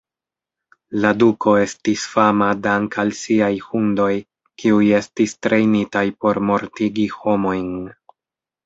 La duko estis fama dank'al siaj hundoj, kiuj estis trejnitaj por mortigi homojn.